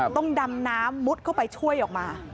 ต้องดำน้ำมุดเข้าไปช่วยออกมา